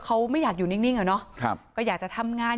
เขาไม่อยากอยู่นิ่งอะเนาะก็อยากจะทำงาน